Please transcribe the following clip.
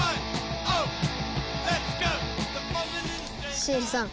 シエリさん